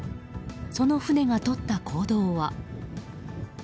その船がとった行動は。